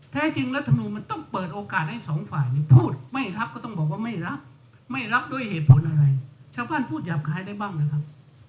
แท้จริงรัฐมนุนมันต้องเปิดโอกาสให้สองฝ่ายพูดไม่รับก็ต้องบอกว่าไม่รับไม่รับด้วยเหตุผลอะไรชาวบ้านพูดหยาบคลายได้บ้างนะครับ